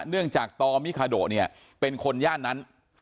เนื่องจากตอมิคาโดเนี่ยเป็นคนย่านนั้น